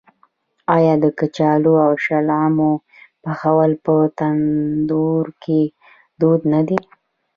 آیا د کچالو او شلغم پخول په تندور کې دود نه دی؟